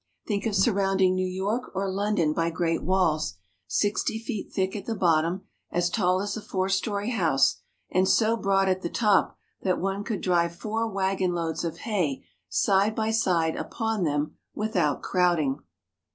Think of surrounding New York or London by great walls, sixty feet thick at the bottom, as tall as a four story house, and so broad at the top that one could drive four wagonloads of hay side by side upon them without crowding.